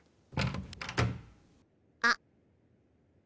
あっ。